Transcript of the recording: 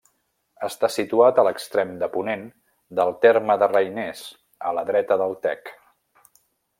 Està situat a l'extrem de ponent del terme de Reiners, a la dreta del Tec.